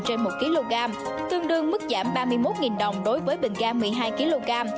trên một kg tương đương mức giảm ba mươi một đồng đối với bình ga một mươi hai kg